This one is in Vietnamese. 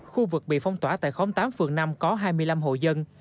khu vực bị phong tỏa tại khóm tám phường năm có hai mươi năm hộ dân